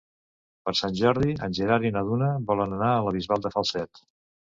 Per Sant Jordi en Gerard i na Duna volen anar a la Bisbal de Falset.